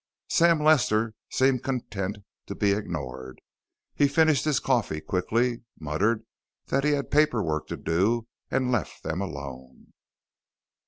Sam Lester seemed content to be ignored. He finished his coffee quickly, muttered that he had paper work to do, and left them alone.